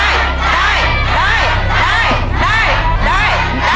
ย่าทำได้